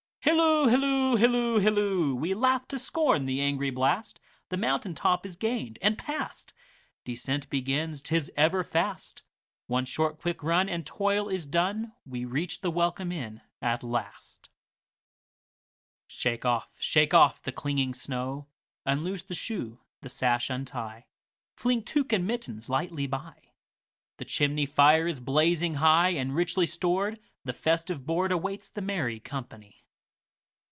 Hilloo, hilloo, hilloo, hilloo! We laugh to scorn the angry blast, The mountain top is gained and past. Descent begins, 't is ever fast—One short quick run, and toil is done, We reach the welcome inn at last. Shake off, shake off the clinging snow; Unloose the shoe, the sash untie, Fling tuque and mittens lightly by; The chimney fire is blazing high, And, richly stored, the festive boardAwaits the merry company.